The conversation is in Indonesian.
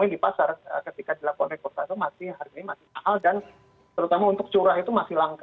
di pasar ketika dilakukan reputasi harganya masih mahal dan terutama untuk curah itu masih langka